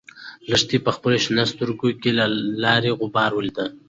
لښتې په خپلو شنه سترګو کې د لارې غبار ولید.